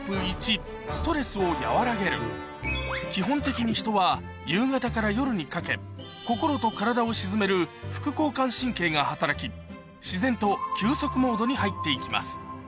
基本的に人は夕方から夜にかけ心と体を静める副交感神経が働き自然と休息モードに入っていきます